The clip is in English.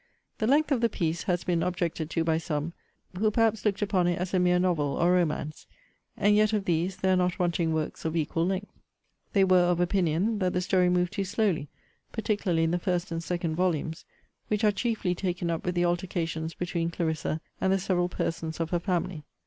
The length of the piece has been objected to by some, who perhaps looked upon it as a mere novel or romance; and yet of these there are not wanting works of equal length. They were of opinion, that the story moved too slowly, particularly in the first and second volumes, which are chiefly taken up with the altercations between Clarissa and the several persons of her family.